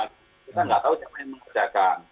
kita nggak tahu siapa yang mengerjakan